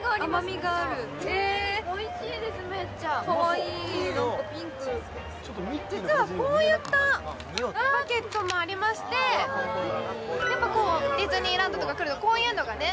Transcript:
めっちゃおいしいですめっちゃ・かわいい何かピンク実はこういったバケットもありましてやっぱこうディズニーランドとか来るとこういうのがね